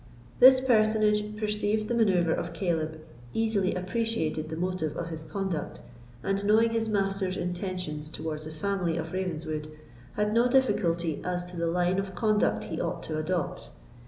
This personage perceived the manœuvre of Caleb, easily appreciated the motive of his conduct, and knowing his master's intentions towards the family of Ravenswood, had no difficulty as to the line of conduct he ought to adopt.